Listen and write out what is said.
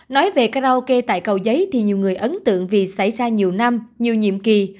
nói về karaoke tại cầu giấy thì nhiều người ấn tượng vì xảy ra nhiều năm nhiều nhiệm kỳ